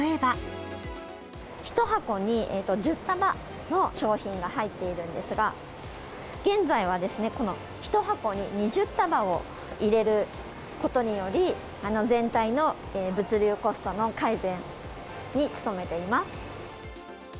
１箱に１０束の商品が入っているんですが、現在は、この１箱に２０束を入れることにより、全体の物流コストの改善に努めています。